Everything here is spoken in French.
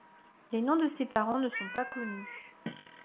Les noms de ses parents ne sont pas connus.